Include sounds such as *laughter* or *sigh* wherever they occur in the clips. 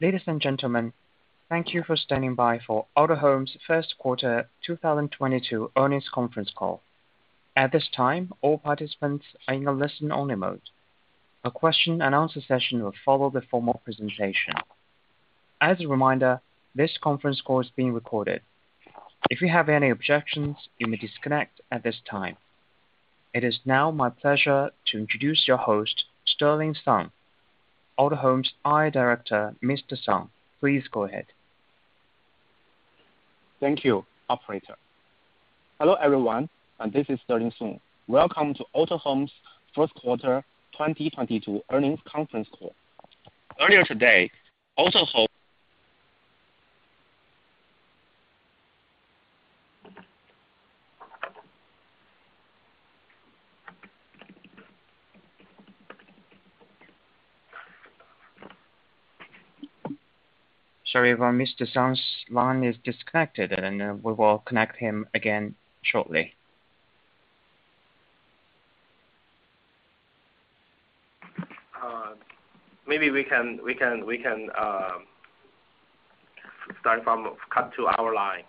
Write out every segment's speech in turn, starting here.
Ladies and gentlemen, thank you for standing by for Autohome's first quarter 2022 earnings conference call. At this time, all participants are in a listen-only mode. A question-and-answer session will follow the formal presentation. As a reminder, this conference call is being recorded. If you have any objections, you may disconnect at this time. It is now my pleasure to introduce your host, Sterling Song, Autohome's IR director. Mr. Song, please go ahead. Thank you, operator. Hello, everyone, and this is Sterling Song. Welcome to Autohome's first quarter 2022 earnings conference call. Earlier today, Autohome- Sorry about Mr. Song's line is disconnected, and we will connect him again shortly. Cut to our line.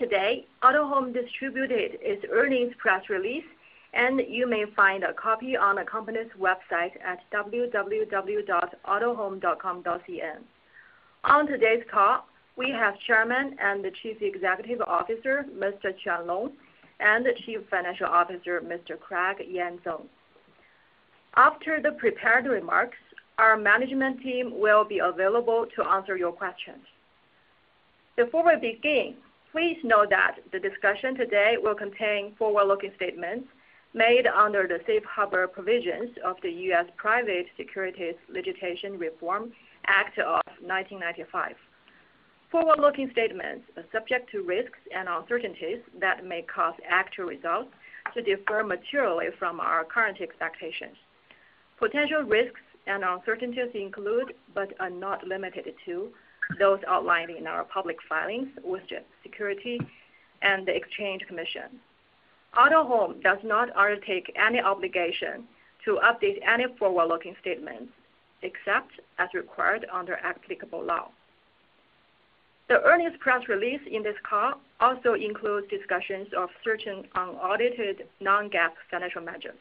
Earlier today, Autohome distributed its earnings press release, and you may find a copy on the company's website at www.autohome.com.cn. On today's call, we have Chairman and Chief Executive Officer, Mr. Quan Long, and the Chief Financial Officer, Mr. Craig Yan Zeng. After the prepared remarks, our management team will be available to answer your questions. Before we begin, please note that the discussion today will contain forward-looking statements made under the Safe Harbor Provisions of the US Private Securities Litigation Reform Act of 1995. Forward-looking statements are subject to risks and uncertainties that may cause actual results to differ materially from our current expectations. Potential risks and uncertainties include, but are not limited to, those outlined in our public filings with the Securities and Exchange Commission. Autohome does not undertake any obligation to update any forward-looking statements except as required under applicable law. The earnings press release in this call also includes discussions of certain unaudited non-GAAP financial measures.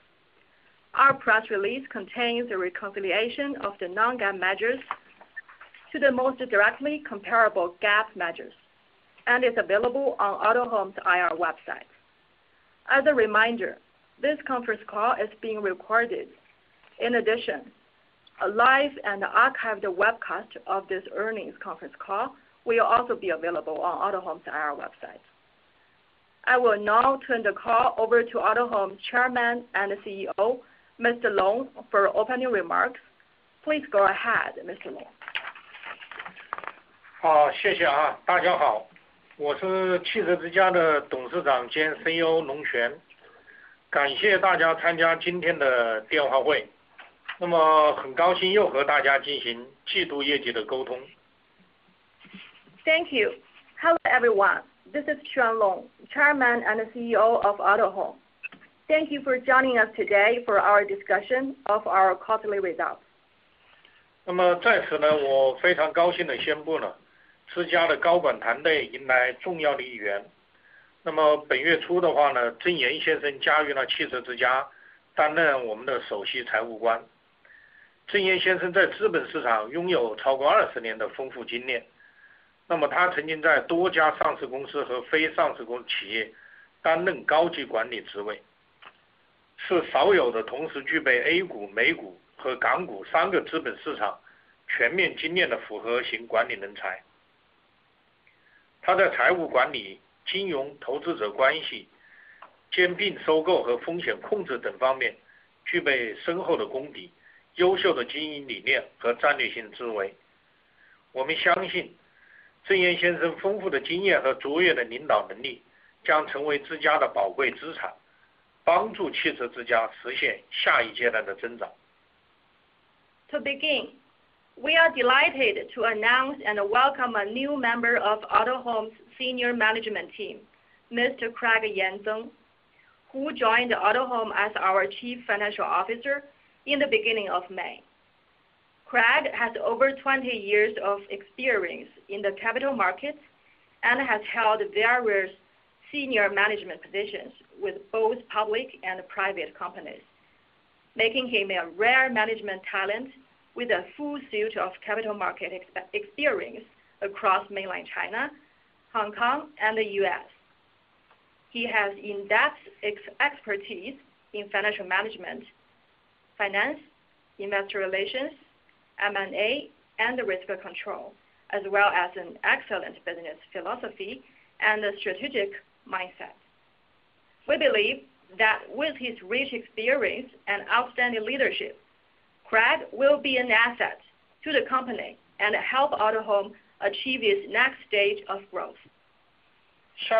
Our press release contains a reconciliation of the non-GAAP measures to the most directly comparable GAAP measures and is available on Autohome's IR website. As a reminder, this conference call is being recorded. In addition, a live and archived webcast of this earnings conference call will also be available on Autohome's IR website. I will now turn the call over to Autohome Chairman and CEO, Mr. Quan Long, for opening remarks. Please go ahead, Mr. Quan Long. Thank you. Hello, everyone. This is Quan Long, Chairman and CEO of Autohome. Thank you for joining us today for our discussion of our quarterly results. To begin, we are delighted to announce and welcome a new member of Autohome's senior management team, Mr. Craig Yan Zeng, who joined Autohome as our Chief Financial Officer in the beginning of May. Craig has over 20 years of experience in the capital markets and has held various senior management positions with both public and private companies, making him a rare management talent with a full suite of capital market experience across mainland China, Hong Kong, and the U.S. He has in-depth expertise in financial management, finance, investor relations, M&A, and risk control, as well as an excellent business philosophy and a strategic mindset. We believe that with his rich experience and outstanding leadership, Craig will be an asset to the company and help Autohome achieve its next stage of growth. *unintelligible*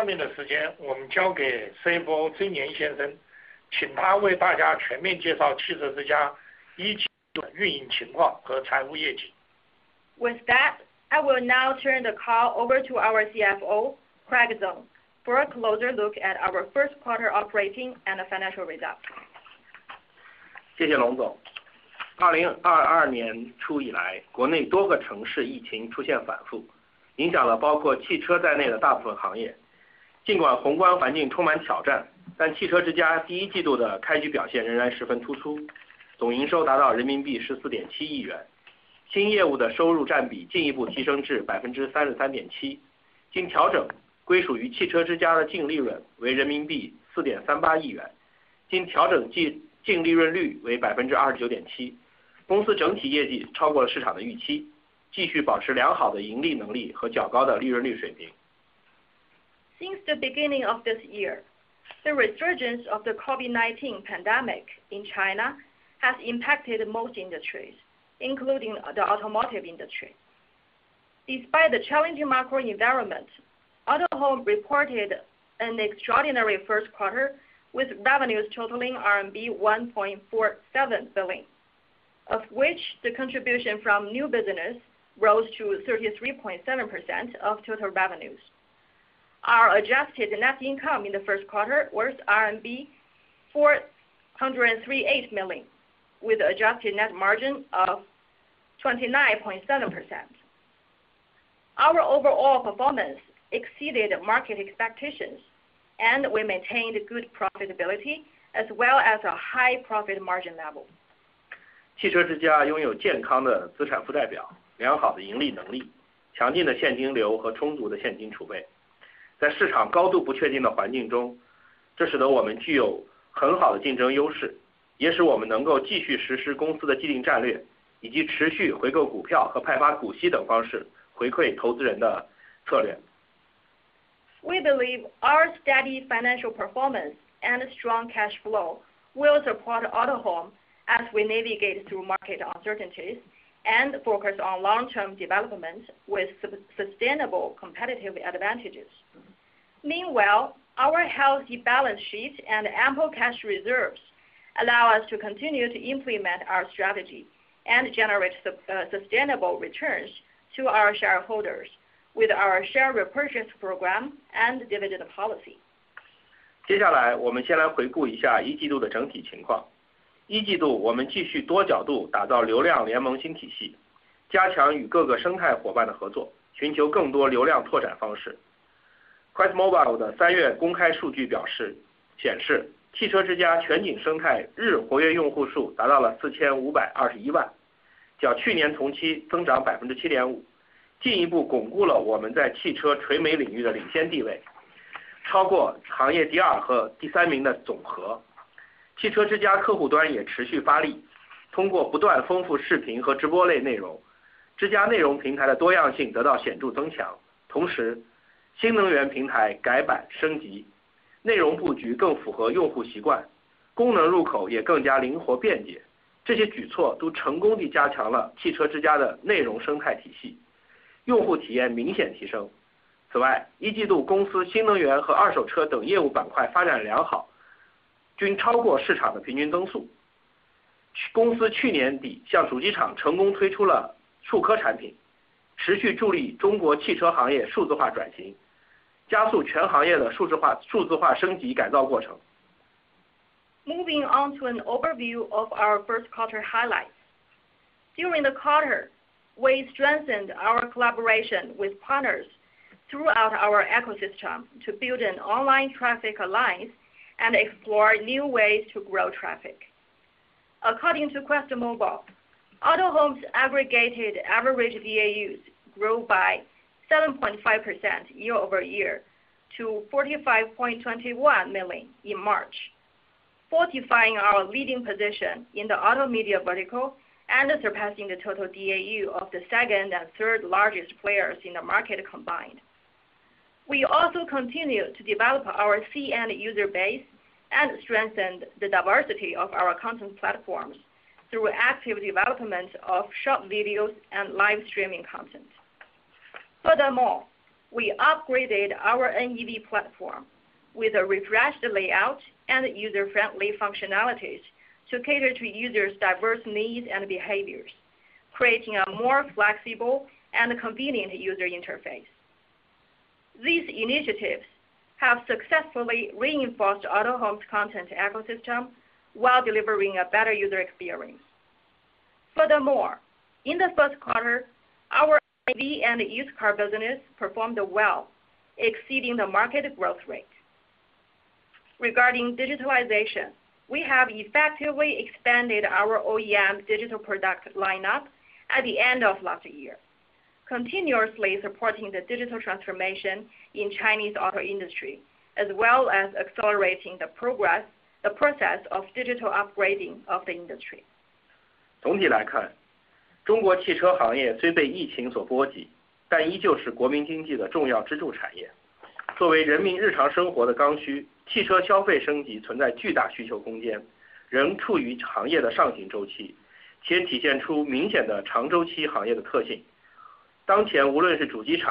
With that, I will now turn the call over to our CFO, Craig Yan Zeng, for a closer look at our first quarter operating and financial results. *unintelligible* Since the beginning of this year, the resurgence of the COVID-19 pandemic in China has impacted most industries, including the automotive industry. Despite the challenging macro environment, Autohome reported an extraordinary first quarter, with revenues totaling RMB 1.47 billion, of which the contribution from new business rose to 33.7% of total revenues. Our adjusted net income in the first quarter was RMB 403.8 million, with adjusted net margin of 29.7%. Our overall performance exceeded market expectations, and we maintained good profitability as well as a high profit margin level. *unintelligible* We believe our steady financial performance and strong cash flow will support Autohome as we navigate through market uncertainties and focus on long-term development with sustainable competitive advantages. Meanwhile, our healthy balance sheet and ample cash reserves allow us to continue to implement our strategy and generate sustainable returns to our shareholders with our share repurchase program and dividend policy. *unintelligible* Moving on to an overview of our first quarter highlights. During the quarter, we strengthened our collaboration with partners throughout our ecosystem to build an online traffic alliance and explore new ways to grow traffic. According to QuestMobile, Autohome's aggregated average DAUs grew by 7.5% year-over-year to 45.21 million in March, fortifying our leading position in the auto media vertical and surpassing the total DAU of the second and third largest players in the market combined. We also continue to develop our CN user base and strengthen the diversity of our content platforms through active development of short videos and live streaming content. Furthermore, we upgraded our NEV platform with a refreshed layout and user-friendly functionalities to cater to users diverse needs and behaviors, creating a more flexible and convenient user interface. These initiatives have successfully reinforced Autohome's content ecosystem while delivering a better user experience. Furthermore, in the first quarter, our EV and used car business performed well, exceeding the market growth rate. Regarding digitalization, we have effectively expanded our OEM digital product lineup at the end of last year, continuously supporting the digital transformation in Chinese auto industry, as well as accelerating the process of digital upgrading of the industry. *unintelligible* Generally speaking,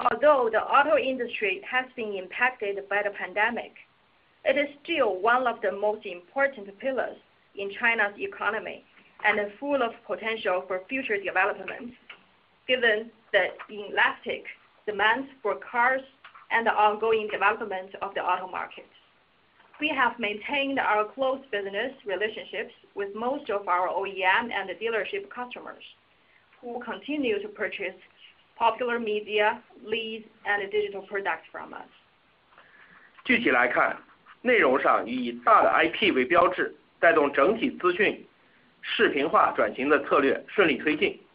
although the auto industry has been impacted by the pandemic, it is still one of the most important pillars in China's economy and full of potential for future development. Given the elastic demand for cars and the ongoing development of the auto market, we have maintained our close business relationships with most of our OEM and dealership customers who continue to purchase popular media leads and digital products from us. *unintelligible*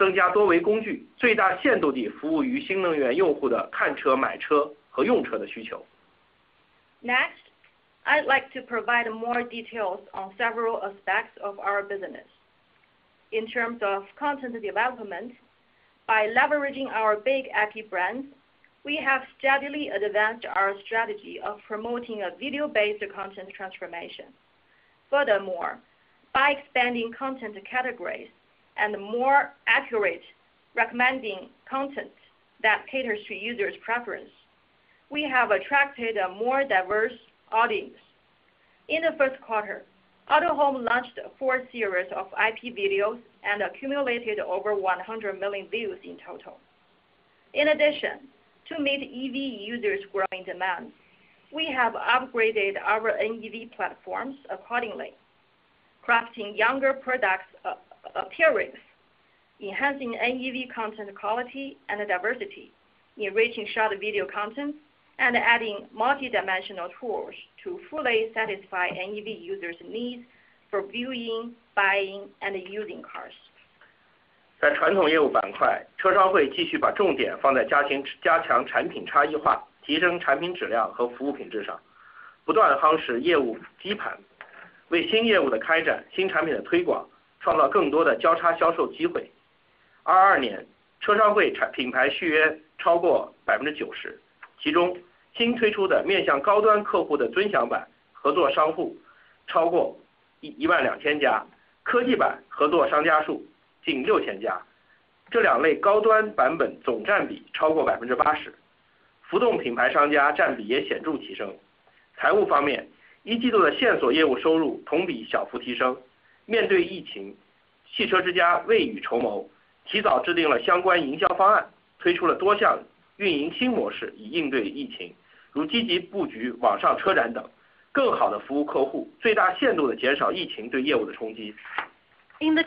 Next, I'd like to provide more details on several aspects of our business in terms of content development by leveraging our big IP brands. We have steadily advanced our strategy of promoting a video-based content transformation. Furthermore, by expanding content categories and more accurately recommending content that caters to users' preference, we have attracted a more diverse audience. In the first quarter, Autohome launched four series of IP videos and accumulated over 100 million views in total. In addition, to meet EV users' growing demand, we have upgraded our NEV platforms accordingly. Crafting younger products' appearance, enhancing NEV content quality and diversity, enriching short video content and adding multi-dimensional tools to fully satisfy NEV users' needs for viewing, buying, and using cars. *unintelligible* In the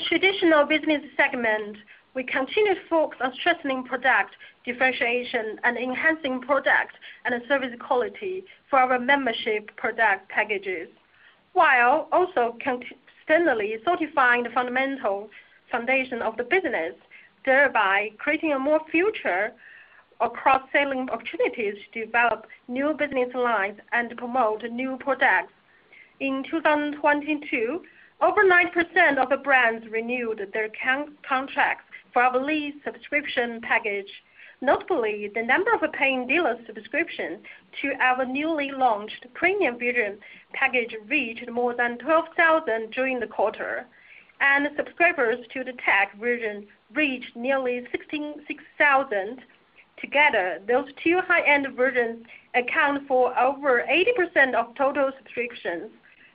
traditional business segment, we continue to focus on strengthening product differentiation and enhancing product and service quality for our membership product packages, while also constantly solidifying the fundamental foundation of the business, thereby creating more future cross-selling opportunities to develop new business lines and promote new products. In 2022, over 9% of the brands renewed their contracts for our leads subscription package. Notably, the number of paying dealers subscribing to our newly launched premium version package reached more than 12,000 during the quarter, and subscribers to the tech version reached nearly 66,000. Together, those two high-end versions account for over 80% of total subscriptions.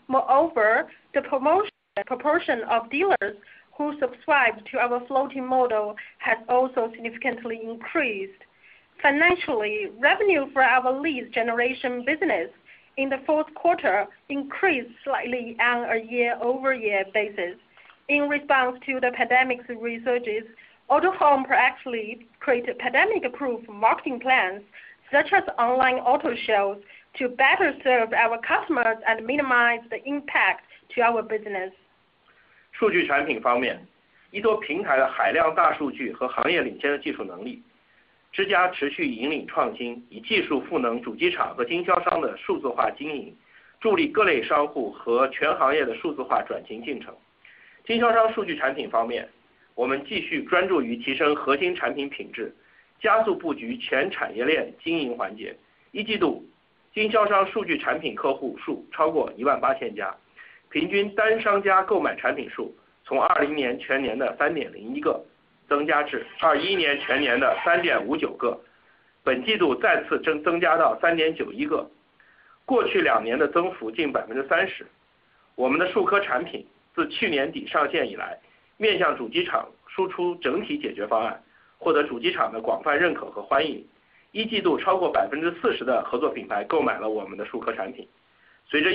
Moreover, the penetration proportion of dealers who subscribe to our floating model has also significantly increased. Financially, revenue for our lead generation business in the fourth quarter increased slightly on a year-over-year basis. In response to the pandemic's resurgences, Autohome proactively created pandemic-proof marketing plans such as online auto shows, to better serve our customers and minimize the impact to our business. *unintelligible* On the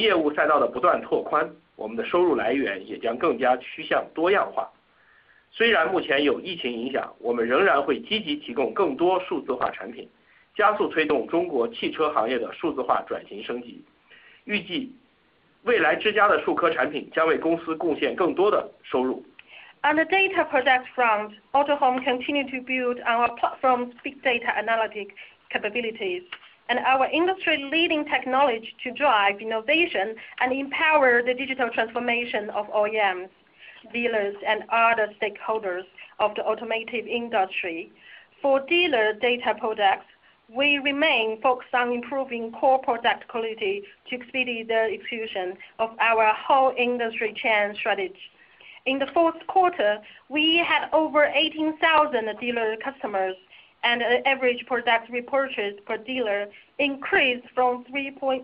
data product front, Autohome continue to build our platform's big data analytic capabilities and our industry leading technology to drive innovation and empower the digital transformation of OEMs, dealers, and other stakeholders of the automotive industry. For dealer data products, we remain focused on improving core product quality to expedite the execution of our whole industry chain strategy. In the fourth quarter, we had over 18,000 dealer customers and an average product repurchase per dealer increased from 3.01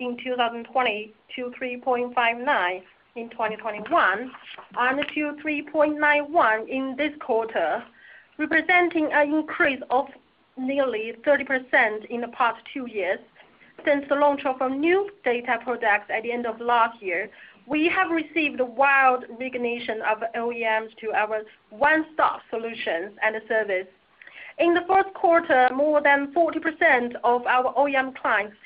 in 2020 to 3.59 in 2021 and to 3.91 in this quarter, representing an increase of nearly 30% in the past two years. Since the launch of our new data products at the end of last year, we have received wide recognition of OEMs to our one-stop solutions and service. In the first quarter, more than 40% of our OEM clients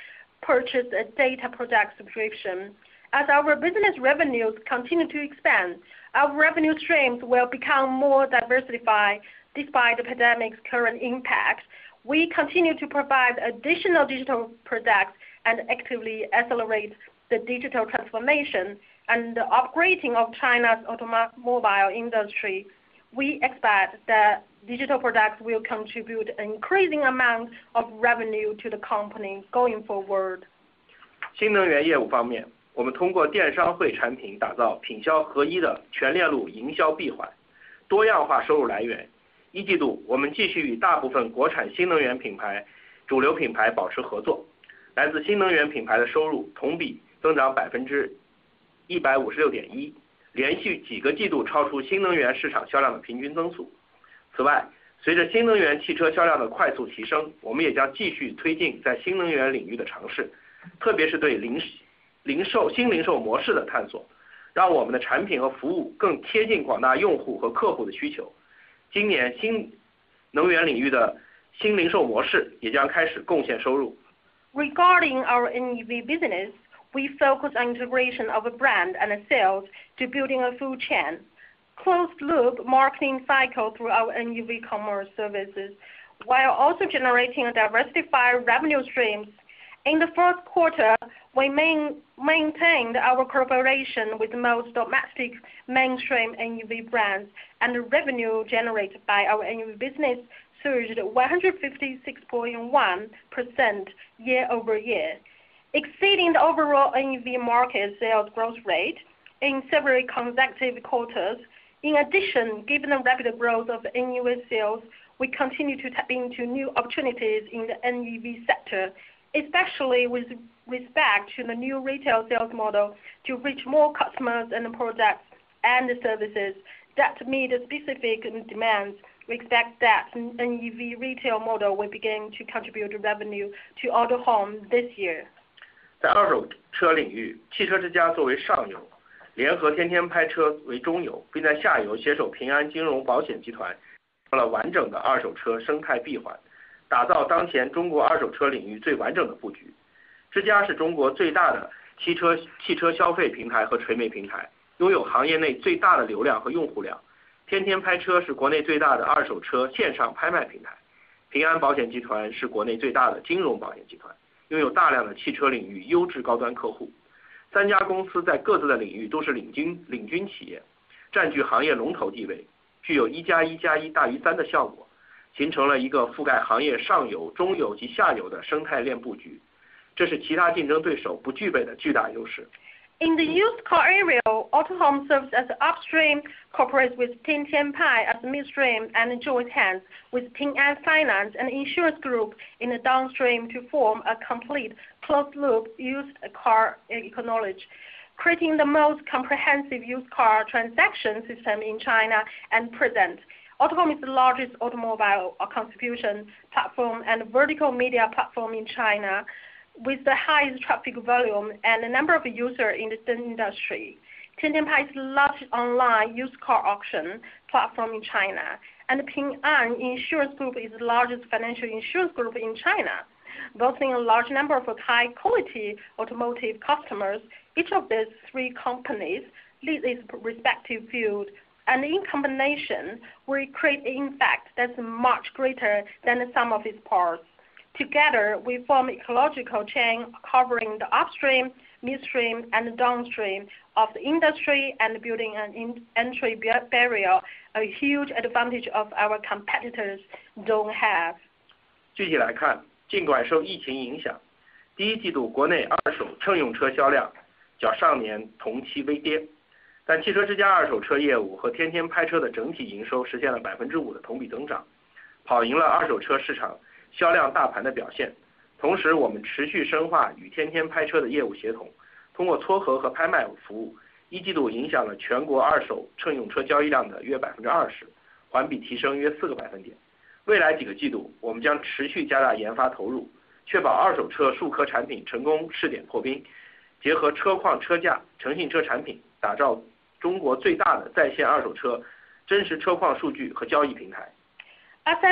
purchased a data product subscription. As our business revenues continue to expand, our revenue streams will become more diversified despite the pandemic's current impact. We continue to provide additional digital products and actively accelerate the digital transformation and the upgrading of China's automobile industry. We expect that digital products will contribute an increasing amount of revenue to the company going forward. *unintelligible* Regarding our NEV business, we focus on integration of brand and sales to building a full chain closed-loop marketing cycle through our NEV commerce services, while also generating diversified revenue streams. In the first quarter, we maintained our cooperation with most domestic mainstream NEV brands, and the revenue generated by our NEV business surged 156.1% year-over-year, exceeding the overall NEV market sales growth rate in several consecutive quarters. In addition, given the rapid growth of NEV sales, we continue to tap into new opportunities in the NEV sector, especially with respect to the new retail sales model, to reach more customers and products and services that meet specific demands. We expect that NEV retail model will begin to contribute revenue to Autohome this year. *unintelligible* In the used car area, Autohome serves as upstream, cooperates with Tiantian Paiche as midstream, and joins hands with Ping An Insurance Group, an insurance group, in the downstream to form a complete closed-loop used car ecology, creating the most comprehensive used car transaction system in China at present. Autohome is the largest automobile consumption platform and vertical media platform in China with the highest traffic volume and the number of users in the same industry. Tiantian Paiche is the largest online used car auction platform in China, and Ping An Insurance Group is the largest financial insurance group in China, boasting a large number of high-quality automotive customers. Each of these three companies leads its respective field, and in combination, we create an effect that's much greater than the sum of its parts. Together, we form ecological chain covering the upstream, midstream, and downstream of the industry and building an entry barrier, a huge advantage that our competitors don't have. *unintelligible* As I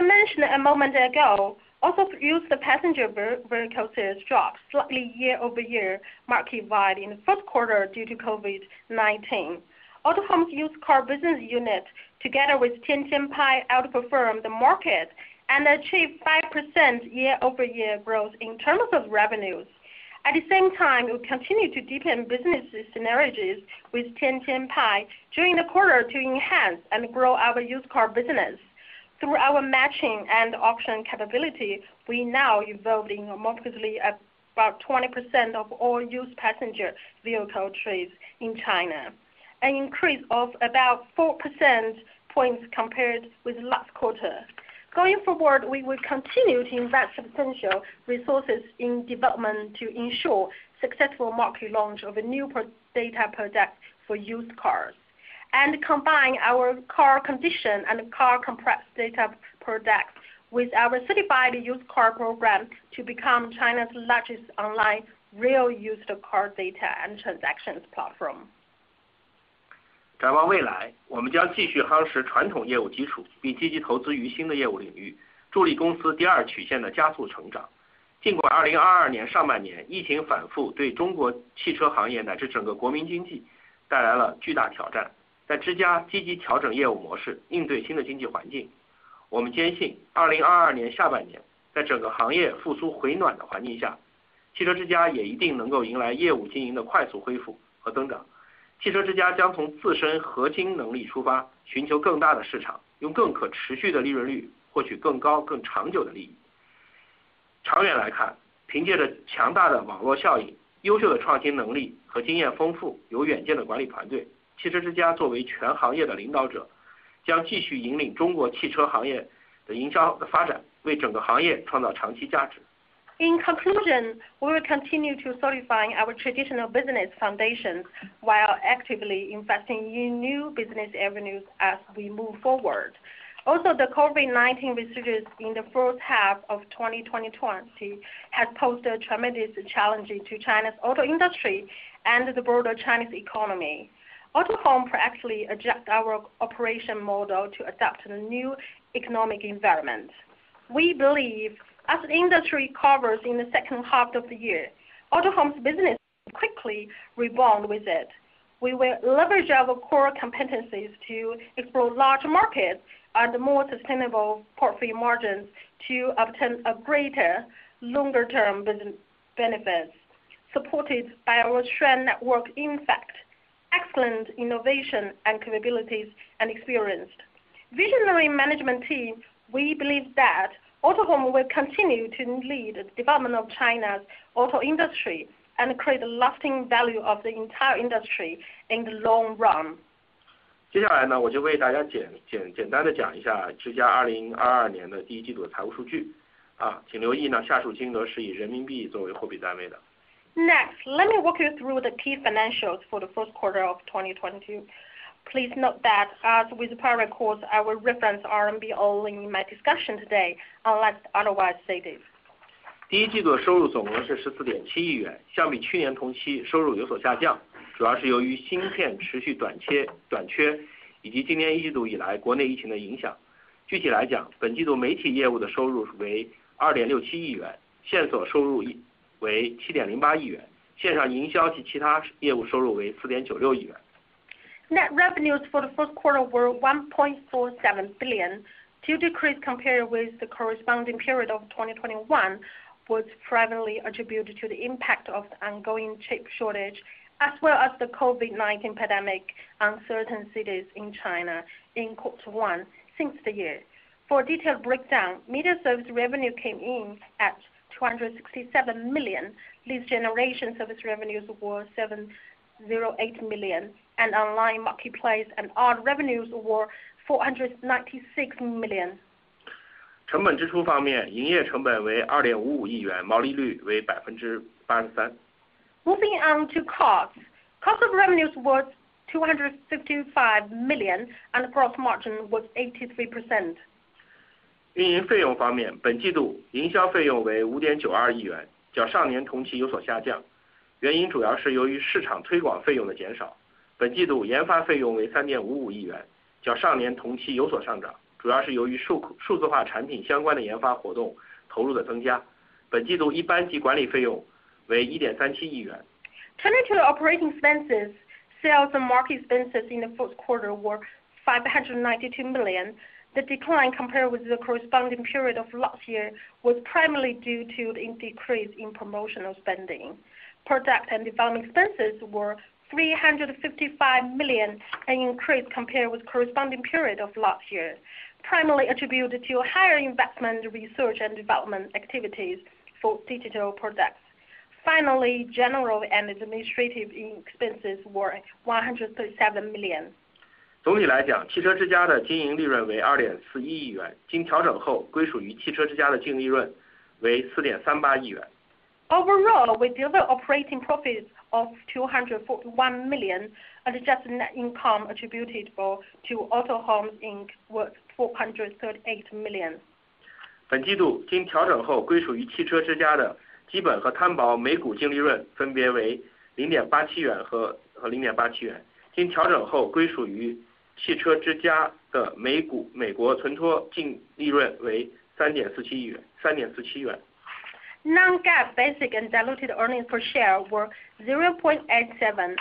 mentioned a moment ago, although the passenger vehicle sales dropped slightly year-over-year market-wide in the fourth quarter due to COVID-19. Autohome's used car business unit together with Tiantian Paiche outperformed the market and achieved 5% year-over-year growth in terms of revenues. At the same time, we continue to deepen business synergies with Tiantian Paiche during the quarter to enhance and grow our used car business. Through our matching and auction capability, we now involve mostly about 20% of all used passenger vehicle trades in China, an increase of about 4 percentage points compared with last quarter. Going forward, we will continue to invest substantial resources in development to ensure successful market launch of a new data product for used cars, and combine our car condition and car price data product with our certified used car program to become China's largest online real used car data and transactions platform. *unintelligible* In conclusion, we will continue to solidify our traditional business foundations while actively investing in new business avenues as we move forward. Also, the COVID-19 resurgence in the first half of 2022 has posed a tremendous challenge to China's auto industry and the broader Chinese economy. Autohome proactively adjust our operation model to adapt to the new economic environment. We believe as the industry recovers in the second half of the year, Autohome's business quickly rebound with it. We will leverage our core competencies to explore larger markets and more sustainable profit margins to obtain a greater longer-term business benefits. Supported by our strong network impact, excellent innovation and capabilities and experienced visionary management team, we believe that Autohome will continue to lead the development of China's auto industry and create lasting value of the entire industry in the long run. *unintelligible* Next, let me walk you through the key financials for the first quarter of 2022. Please note that, as with prior calls, I will reference RMB only in my discussion today unless otherwise stated. *unintelligible* Net revenues for the first quarter were 1.47 billion. The decrease compared with the corresponding period of 2021 was primarily attributed to the impact of the ongoing chip shortage, as well as the COVID-19 pandemic uncertainties in China in quarter one of this year. For a detailed breakdown, media services revenue came in at 267 million. Leads generation services revenues were 708 million, and online marketplace and others revenues were 496 million. *unintelligible* Moving on to costs. Cost of revenues was 255 million, and gross margin was 83%. *unintelligible* Turning to operating expenses. Sales and marketing expenses in the fourth quarter were CNY 592 million. The decline compared with the corresponding period of last year was primarily due to a decrease in promotional spending. Product development expenses were 355 million, an increase compared with corresponding period of last year, primarily attributed to higher investment research and development activities for digital products. Finally, general and administrative expenses were CNY 137 million. *unintelligible* Overall, with the other operating profits of CNY 241 million and adjusted net income attributable to Autohome Inc. was CNY 438 million. *unintelligible* Non-GAAP basic and diluted earnings per share were $0.87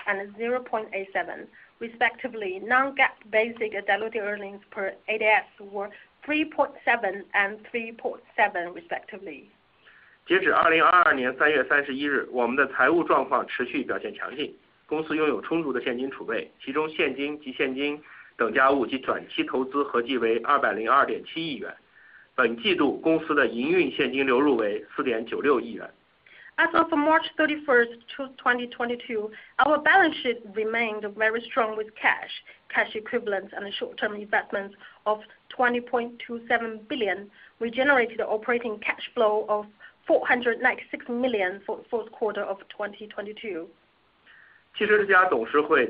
and $0.87 respectively. Non-GAAP basic and diluted earnings per ADS were $3.7 and $3.7 respectively. *unintelligible* As of March 31, 2022, our balance sheet remained very strong with cash equivalents and short-term investments of 20.27 billion. We generated operating cash flow of 496 million for fourth quarter of 2022. *unintelligible* On November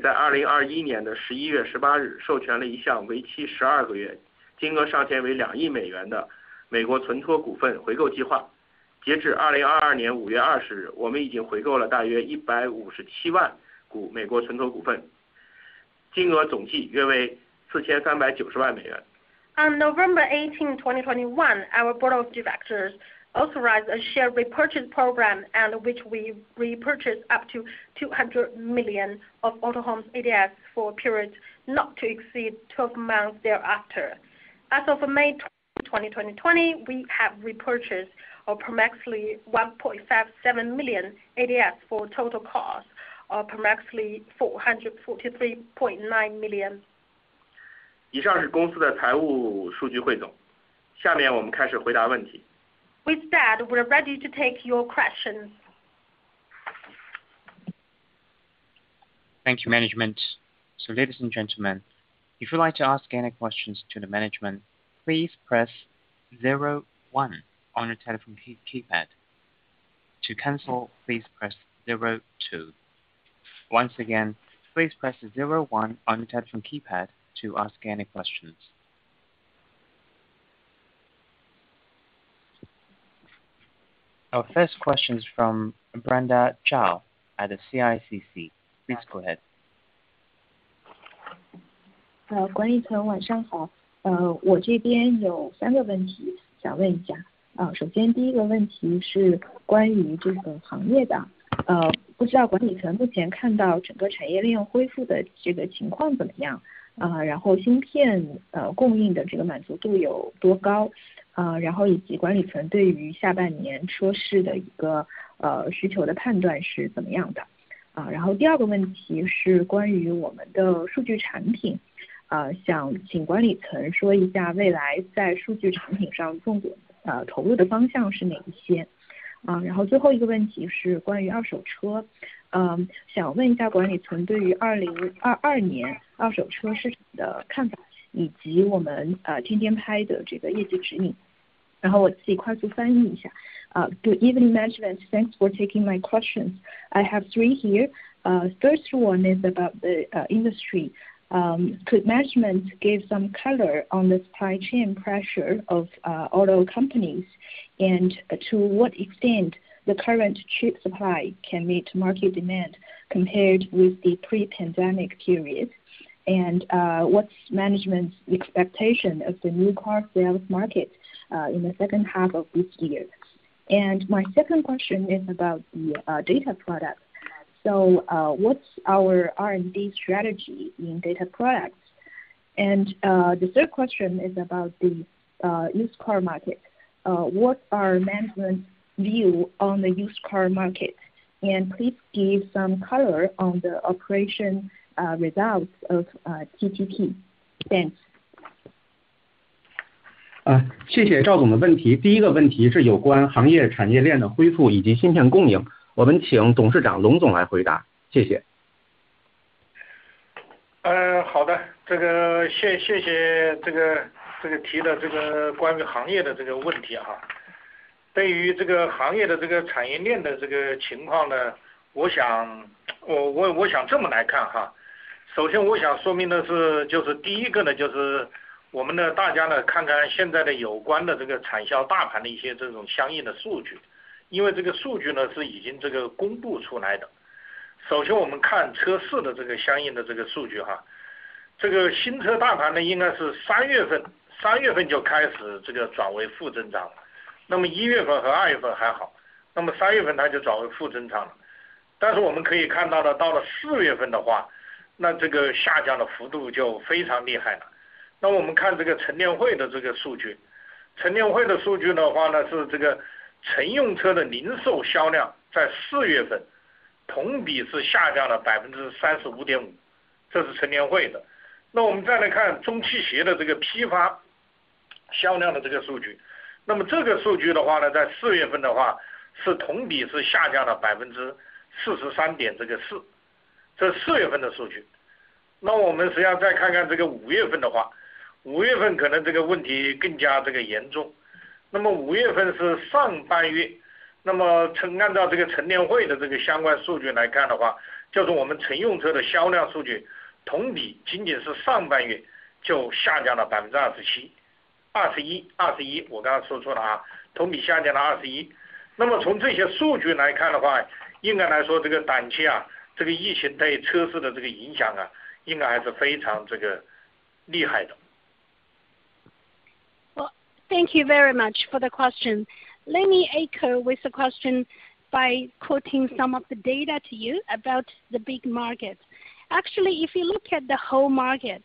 18, 2021, our board of directors authorized a share repurchase program under which we repurchase up to $200 million of Autohome ADS for periods not to exceed 12 months thereafter. As of May 20, 2022, we have repurchased approximately 1.57 million ADS for total cost of approximately $443.9 million. *unintelligible* With that, we're ready to take your questions. Thank you management. Ladies and gentlemen, if you like to ask any questions to the management, please press zero one on your telephone keypad. To cancel, please press zero two. Once again, please press zero one on your telephone keypad to ask any questions. Our first question is from Xiaodan Zhang at the CICC. Please go ahead. *unintelligible* Good evening, management, thanks for taking my questions. I have three here. First one is about the industry. Could management give some color on the supply chain pressure of auto companies? To what extent the current chip supply can meet market demand compared with the pre-pandemic period? What's management's expectation of the new car sales market in the second half of this year? My second question is about the data product. What's our R&D strategy in data products? The third question is about the used car market. What are management view on the used car market? Please give some color on the operation results of TTP. Thanks. *unintelligible* *unintelligible* Well, thank you very much for the question. Let me echo with the question by quoting some of the data to you about the big market. Actually, if you look at the whole market,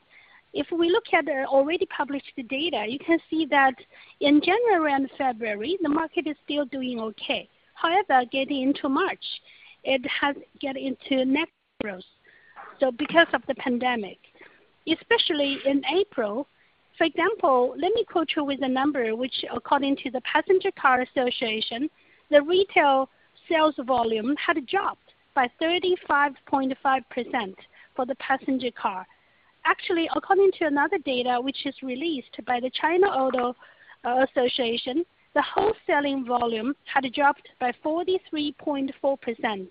if we look at the already published data, you can see that in January and February, the market is still doing okay. However, getting into March, it has get into negative growth. So because of the pandemic, especially in April, for example, let me quote you with the number, which according to the China Passenger Car Association, the retail sales volume had dropped by 35.5% for the passenger car. Actually, according to another data, which is released by the China Association of Automobile Manufacturers, the whole selling volume had dropped by 43.4%.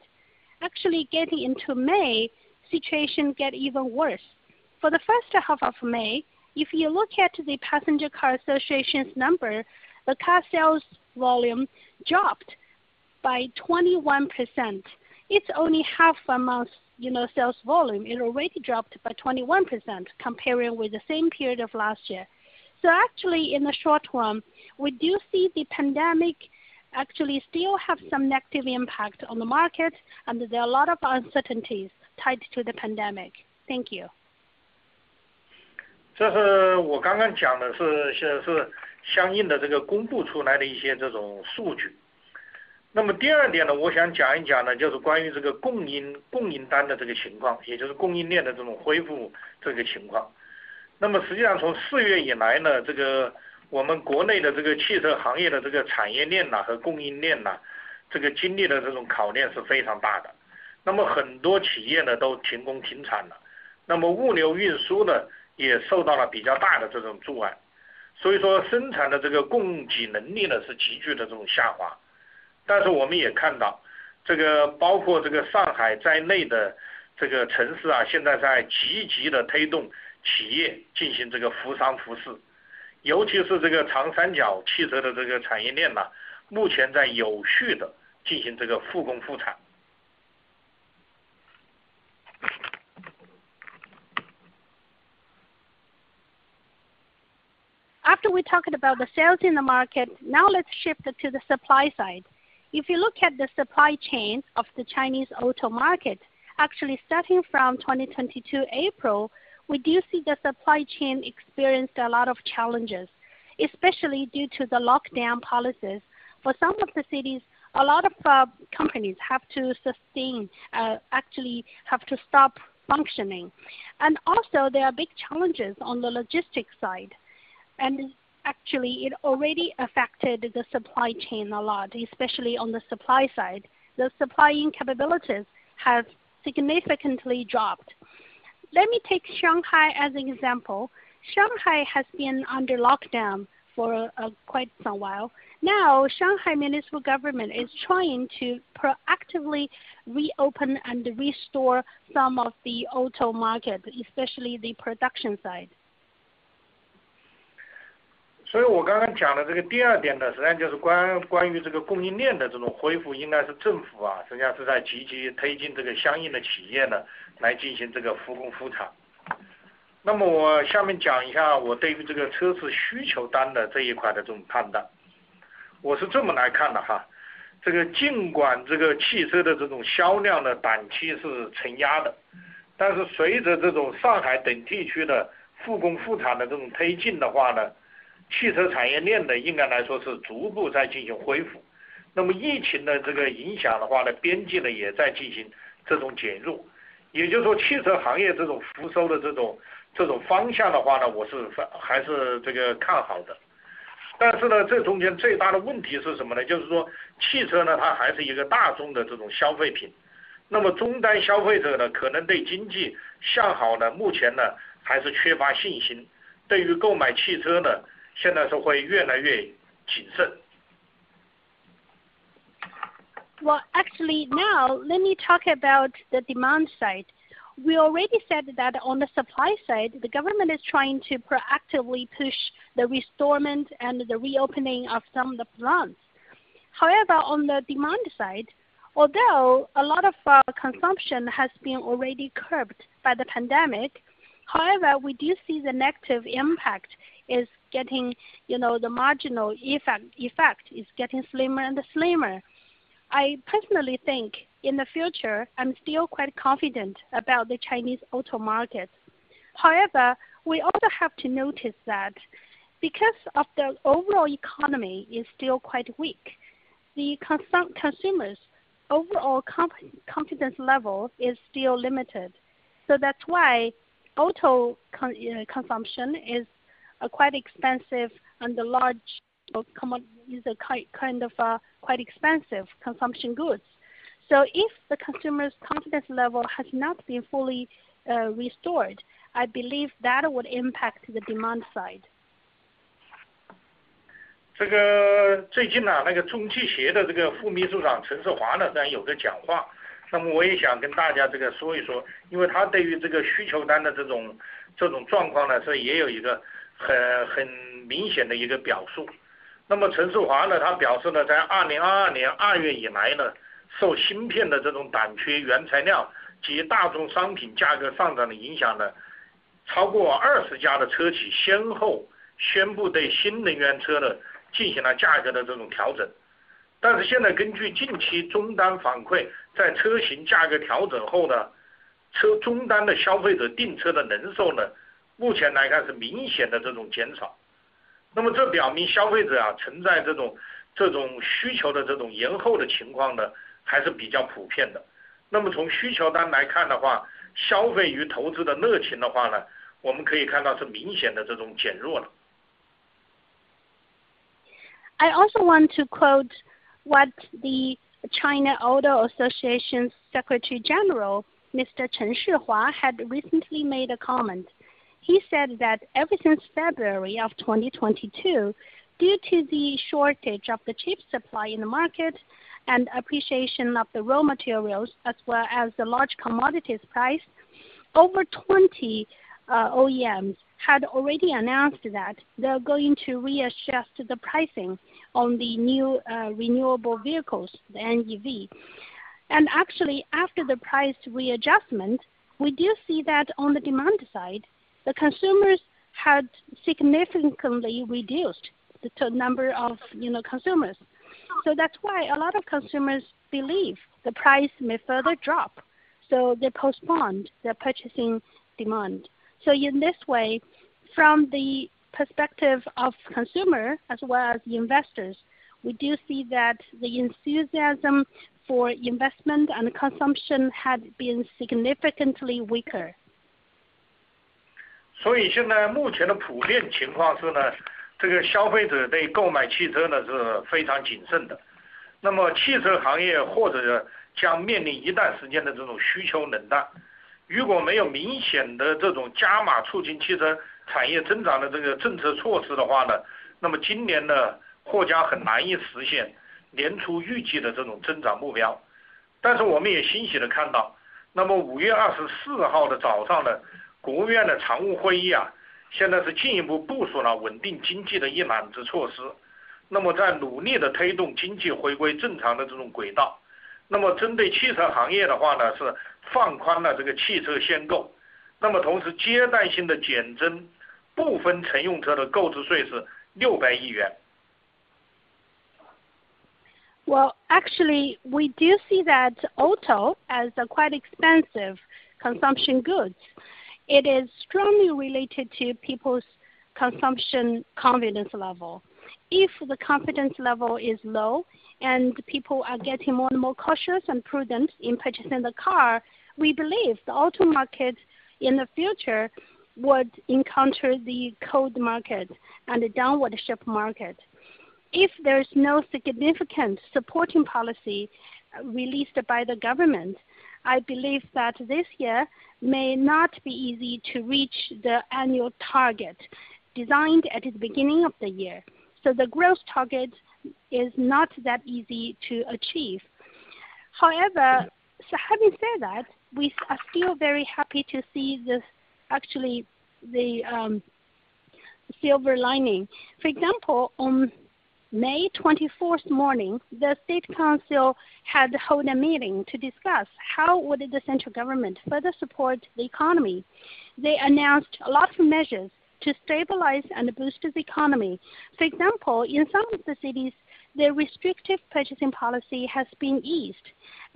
Actually getting into May, situation get even worse. For the first half of May, if you look at the China Passenger Car Association's number, the car sales volume dropped by 21%. It's only half a month, you know, sales volume, it already dropped by 21% comparing with the same period of last year. So actually, in the short term, we do see the pandemic actually still have some negative impact on the market, and there are a lot of uncertainties tied to the pandemic. Thank you. *unintelligible* After we talked about the sales in the market, now let's shift to the supply side. If you look at the supply chain of the Chinese auto market, actually starting from April 2022, we do see the supply chain experienced a lot of challenges, especially due to the lockdown policies. For some of the cities, a lot of companies have to suspend, actually have to stop functioning. Also there are big challenges on the logistics side. Actually it already affected the supply chain a lot, especially on the supply side. The supplying capabilities have significantly dropped. Let me take Shanghai as an example. Shanghai has been under lockdown for quite some while. Now, Shanghai municipal government is trying to proactively reopen and restore some of the auto market, especially the production side. *unintelligible* Well, actually now let me talk about the demand side. We already said that on the supply side, the government is trying to proactively push the restoration and the reopening of some of the plants. However, on the demand side, although a lot of our consumption has been already curbed by the pandemic, however, we do see the negative impact is getting, you know, the marginal effect is getting slimmer and slimmer. I personally think in the future, I'm still quite confident about the Chinese auto market. However, we also have to notice that, because of the overall economy is still quite weak, the consumers overall confidence level is still limited. So that's why auto consumption is a quite expensive and the large commodity is a kind of a quite expensive consumer goods. So if the consumer's confidence level has not been fully restored, I believe that would impact the demand side. *unintelligible* I also want to quote what the China Association of Automobile Manufacturers' Secretary General, Mr. Chen Shihua had recently made a comment. He said that ever since February of 2022, due to the shortage of the chip supply in the market and appreciation of the raw materials as well as the large commodities price, over 20 OEMs had already announced that they're going to readjust the pricing on the new renewable vehicles, the NEV. Actually, after the price readjustment, we do see that on the demand side, the consumers had significantly reduced the number of, you know, consumers. That's why a lot of consumers believe the price may further drop, so they postponed their purchasing demand. In this way, from the perspective of consumer as well as the investors, we do see that the enthusiasm for investment and consumption had been significantly weaker. *unintelligible* Well, actually, we do see that auto as a quite expensive consumption goods. It is strongly related to people's consumption confidence level. If the confidence level is low and people are getting more and more cautious and prudent in purchasing the car, we believe the auto market in the future would encounter the cold market and the downward shift market. If there is no significant supporting policy released by the government, I believe that this year may not be easy to reach the annual target designed at the beginning of the year. The growth target is not that easy to achieve. However, having said that, we are still very happy to see the silver lining. For example, on May 24th morning, the State Council held a meeting to discuss how the central government would further support the economy. They announced a lot of measures to stabilize and boost the economy. For example, in some of the cities, the restrictive purchasing policy has been eased,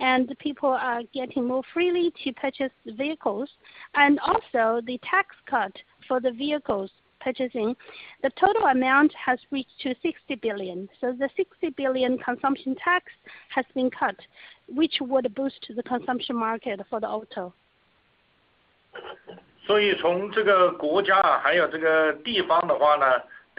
and people are getting more freely to purchase the vehicles. Also the tax cut for the vehicles purchasing, the total amount has reached to 60 billion. The 60 billion consumption tax has been cut, which would boost the consumption market for the auto. *unintelligible*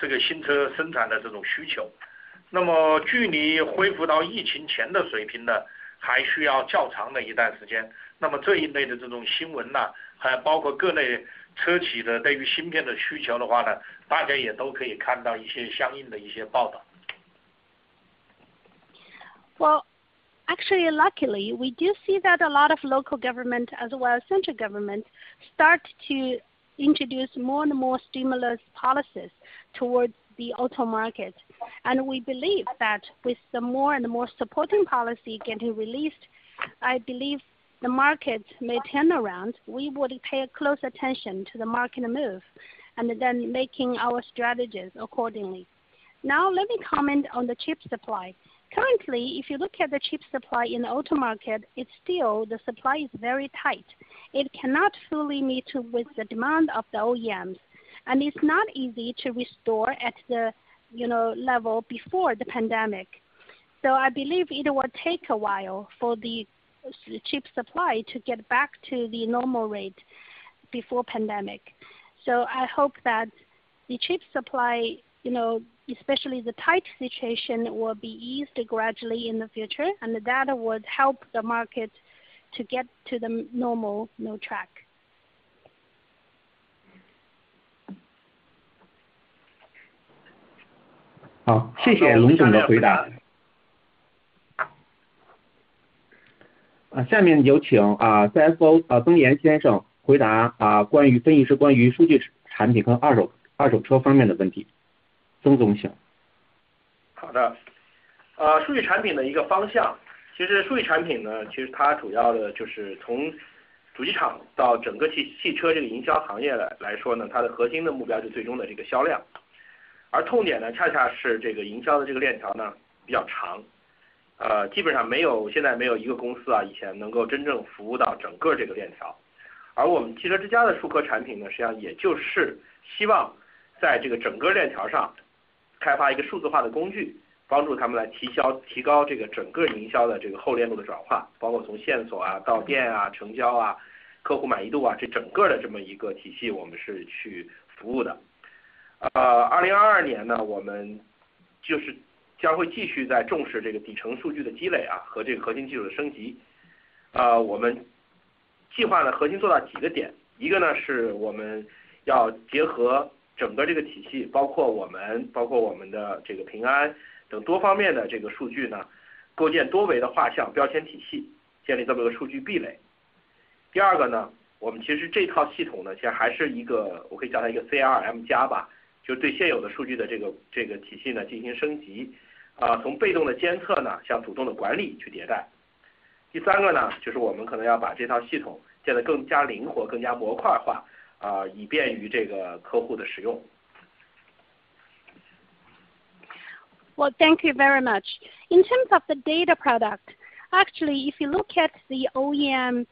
Well, actually, luckily, we do see that a lot of local government as well as central government start to introduce more and more stimulus policies towards the auto market. We believe that with the more and more supporting policy getting released, I believe the market may turn around. We would pay close attention to the market move, and then making our strategies accordingly. Now let me comment on the chip supply. Currently, if you look at the chip supply in the auto market, it's still the supply is very tight. It cannot fully meet with the demand of the OEMs, and it's not easy to restore at the, you know, level before the pandemic. I believe it will take a while for the chip supply to get back to the normal rate before pandemic. I hope that the chip supply, you know, especially the tight situation, will be eased gradually in the future, and the data would help the market to get to the normal new track. *unintelligible* *unintelligible* Well, thank you very much. In terms of the data product, actually if you look at the OEMs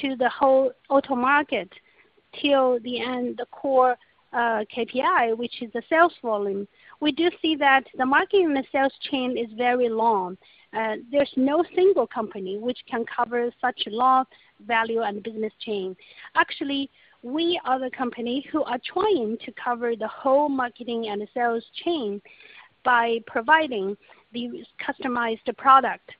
to the whole auto market till the end, the core KPI, which is the sales volume, we do see that the marketing and sales chain is very long, and there's no single company which can cover such long value and business chain. Actually, we are the company who are trying to cover the whole marketing and sales chain by providing these customized product.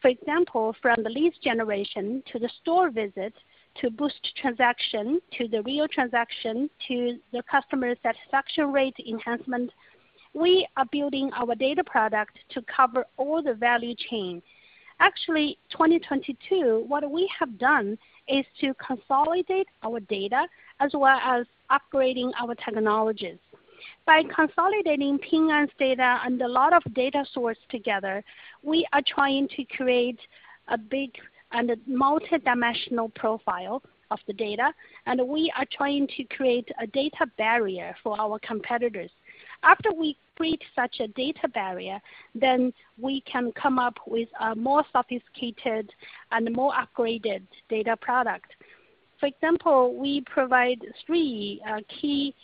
For example, from the lead generation to the store visit, to boost transaction, to the real transaction, to the customer satisfaction rate enhancement. We are building our data product to cover all the value chain. Actually, 2022, what we have done is to consolidate our data as well as upgrading our technologies. By consolidating Ping An's data and a lot of data sources together, we are trying to create a big and multi-dimensional profile of the data, and we are trying to create a data barrier for our competitors. After we create such a data barrier, then we can come up with a more sophisticated and more upgraded data product. For example, we provide three key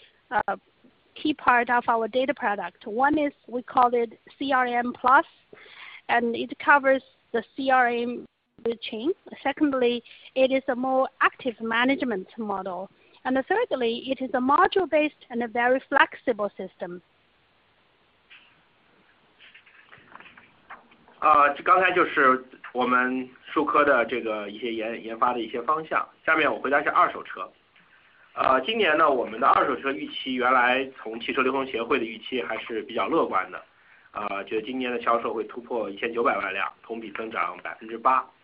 parts of our data product. One is we call it CRM Plus, and it covers the CRM, the chain. Secondly, it is a more active management model. Thirdly, it is a module-based and a very flexible system. *unintelligible*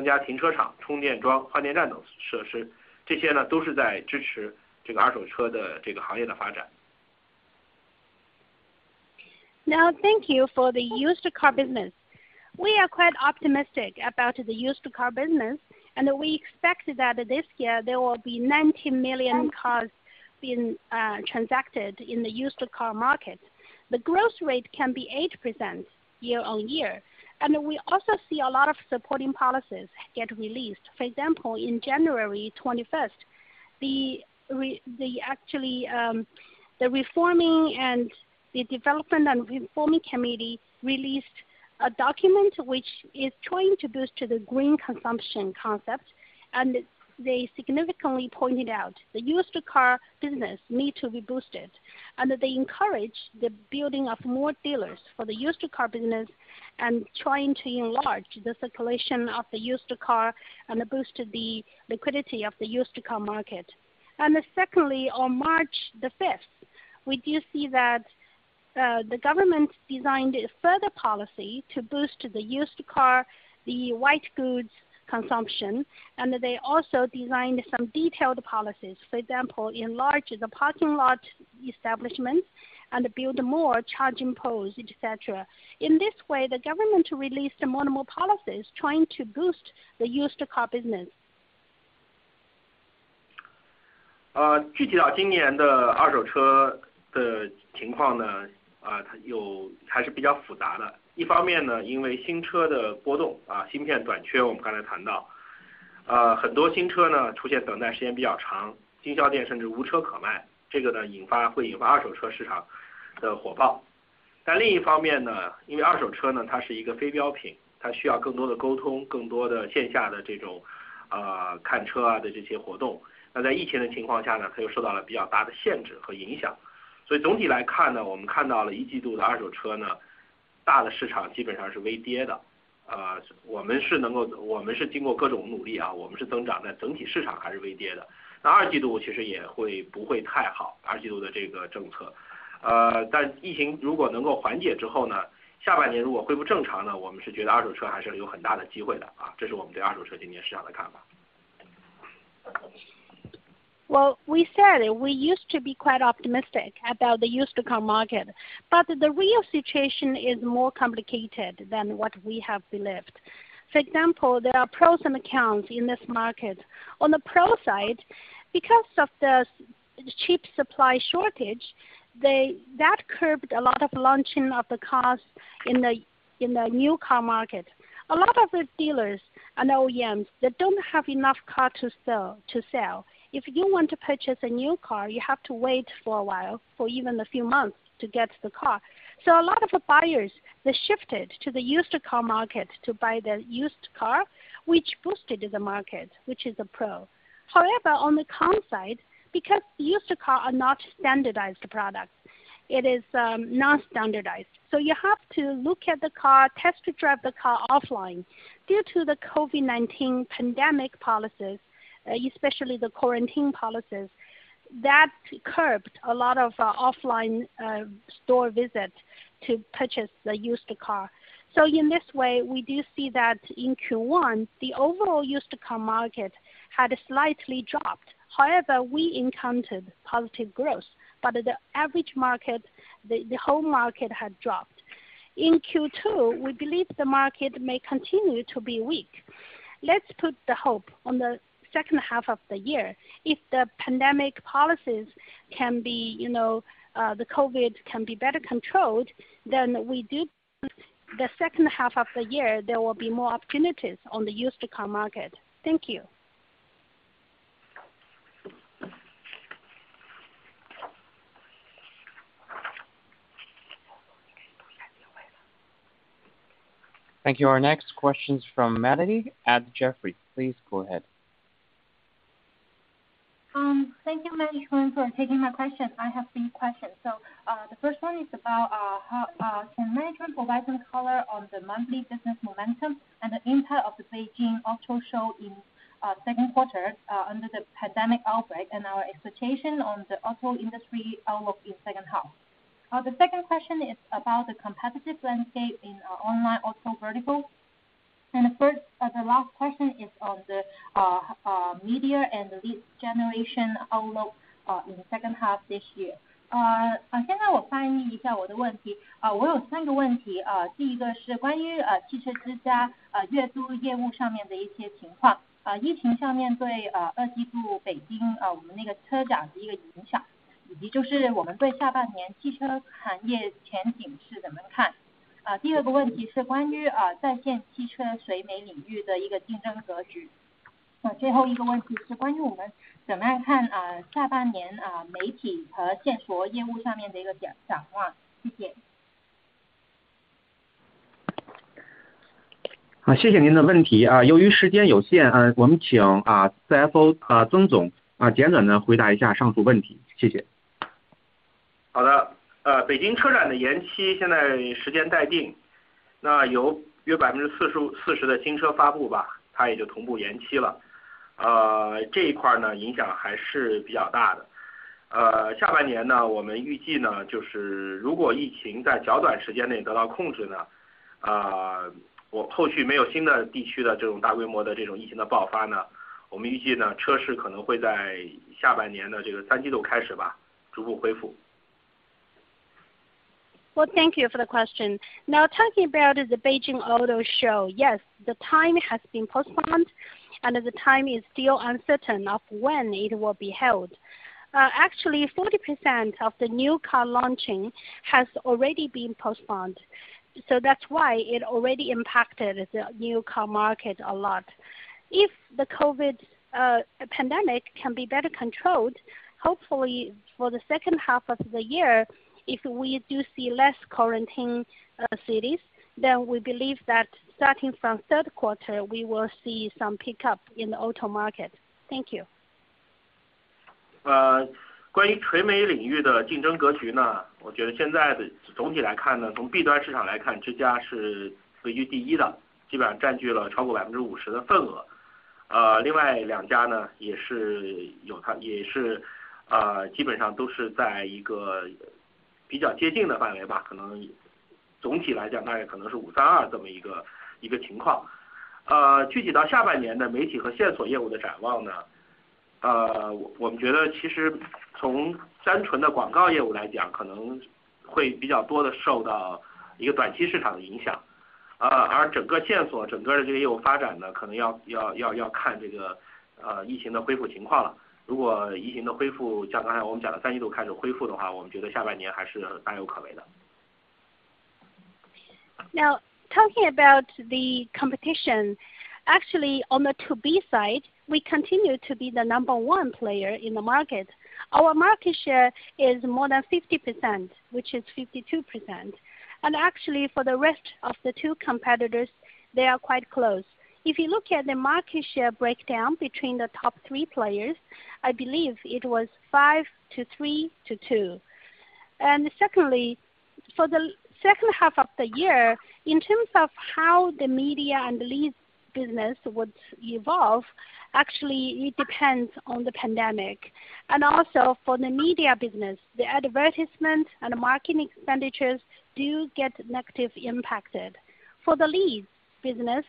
Now, thank you for the used car business. We are quite optimistic about the used car business, and we expect that this year there will be 90 million cars being transacted in the used car market. The growth rate can be 8% year-on-year. We also see a lot of supporting policies get released. For example, in January 21, the National Development and Reform Commission released a document which is trying to boost the green consumption concept, and they significantly pointed out the used car business need to be boosted, and they encourage the building of more dealers for the used car business and trying to enlarge the circulation of the used car and boost the liquidity of the used car market. Secondly, on March 5, we do see that the government designed a further policy to boost the used car, the white goods consumption, and they also designed some detailed policies. For example, enlarge the parking lot establishment and build more charging posts, etc. In this way, the government released more and more policies trying to boost the used car business. *unintelligible* Well, we said we used to be quite optimistic about the used car market, but the real situation is more complicated than what we have believed. For example, there are pros and cons in this market. On the pros side, because of the chip supply shortage, that curbed a lot of launching of the cars in the new car market. A lot of the dealers and OEMs, they don't have enough car to sell. If you want to purchase a new car, you have to wait for a while for even a few months to get the car. So a lot of buyers, they shifted to the used car market to buy the used car, which boosted the market, which is a pro. However, on the con side, because used car are not standardized product, it is non-standardized, so you have to look at the car, test drive the car offline. Due to the COVID-19 pandemic policies, especially the quarantine policies, that curbed a lot of offline store visits to purchase the used car. So in this way, we do see that in Q1, the overall used car market had slightly dropped. However, we encountered positive growth, but the average market, the whole market had dropped. In Q2, we believe the market may continue to be weak. Let's put the hope on the second half of the year. If the pandemic policies can be, you know, the COVID can be better controlled, then we do the second half of the year, there will be more opportunities on the used car market. Thank you. Thank you. Our next question is from Manny at Jefferies. Please go ahead. Thank you, management, for taking my question. I have three questions. The first one is about how management can provide some color on the monthly business momentum and the impact of the Beijing Auto Show in second quarter under the pandemic outbreak, and our expectation on the auto industry outlook in second half? The second question is about the competitive landscape in online auto vertical. The last question is on the media and lead generation outlook in the second half this year. *unintelligible* *unintelligible* Well, thank you for the question. Now talking about the Beijing Auto Show, yes, the time has been postponed, and the time is still uncertain of when it will be held. Actually, 40% of the new car launching has already been postponed, so that's why it already impacted the new car market a lot. If the COVID pandemic can be better controlled, hopefully for the second half of the year, if we do see less quarantine cities, then we believe that starting from third quarter, we will see some pickup in the auto market. Thank you. *unintelligible* Now talking about the competition, actually on the to-B side, we continue to be the number one player in the market. Our market share is more than 50%, which is 52%. Actually for the rest of the two competitors, they are quite close. If you look at the market share breakdown between the top three players, I believe it was 5 to 3 to 2. Secondly, for the H1 of the year, in terms of how the media and leads business would evolve, actually it depends on the pandemic. Also for the media business, the advertising and marketing expenditures do get negatively impacted. For the leads business,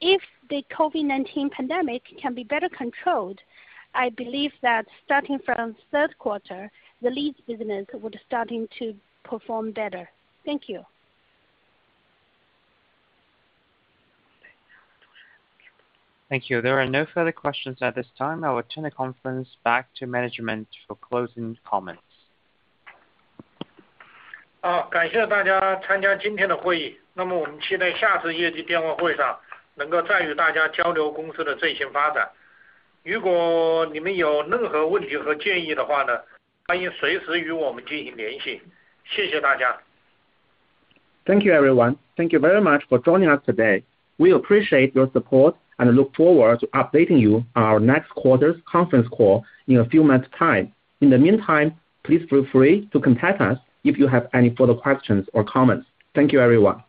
if the COVID-19 pandemic can be better controlled, I believe that starting from third quarter, the leads business would start to perform better. Thank you. Thank you. There are no further questions at this time. I will turn the conference back to management for closing comments. *unintelligible* Thank you, everyone. Thank you very much for joining us today. We appreciate your support and look forward to updating you on our next quarter's conference call in a few months time. In the meantime, please feel free to contact us if you have any further questions or comments. Thank you, everyone.